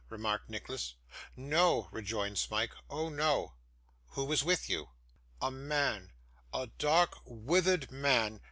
remarked Nicholas. 'No,' rejoined Smike, 'oh no.' 'Who was with you?' 'A man a dark, withered man.